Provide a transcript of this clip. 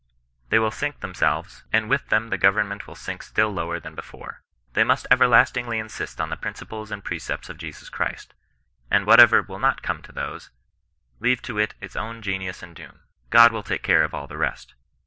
They will sink themselves, and with them the government will sink still lower than before. They must everlastingly insist on the principles and precepts of Jesus Christ ; and whatever will not come to those, leave to its own genius and doom. God will take care of all the rest.